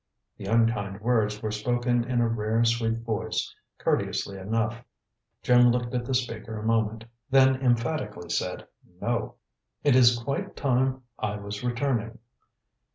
The unkind words were spoken in a rare sweet voice, courteously enough. Jim looked at the speaker a moment, then emphatically said "No!" "It is quite time I was returning."